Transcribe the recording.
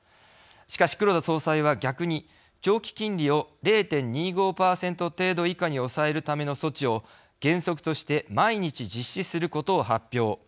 しかし、黒田総裁は逆に長期金利を０．２５％程度以下に抑えるための措置を原則として、毎日実施することを発表。